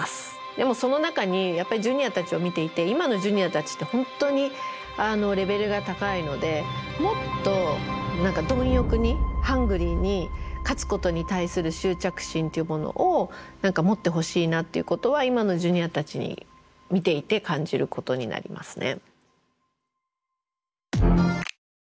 でもその中にやっぱりジュニアたちを見ていて今のジュニアたちって本当にレベルが高いのでもっと貪欲にハングリーに勝つことに対する執着心っていうものを持ってほしいなっていうことは今のジュニアたち見ていて感じることになりますね。